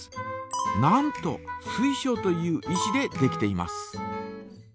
なんと水晶という石でできています。